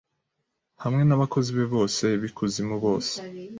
hamwe nabakozi be bose bikuzimubose